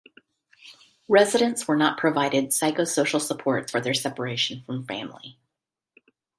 Residents were not provided psychosocial supports for their separation from family.